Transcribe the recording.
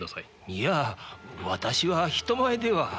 いや私は人前では。